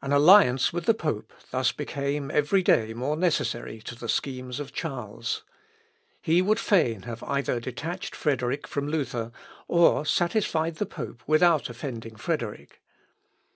An alliance with the pope thus became every day more necessary to the schemes of Charles. He would fain have either detached Frederick from Luther, or satisfied the pope without offending Frederick.